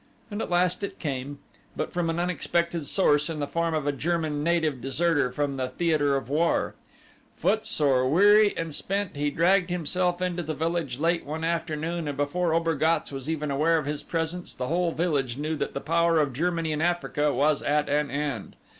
And at last it came, but from an unexpected source in the form of a German native deserter from the theater of war. Footsore, weary, and spent, he dragged himself into the village late one afternoon, and before Obergatz was even aware of his presence the whole village knew that the power of Germany in Africa was at an end.